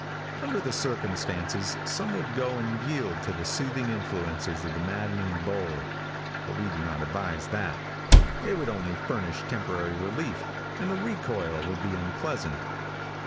Under the circumstances some would go and yield to the soothing influences of the maddening bowl, but we do not advise that. It would only furnish temporary relief, and the recoil would be unpleasant.